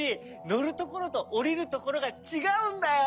のるところとおりるところがちがうんだよ！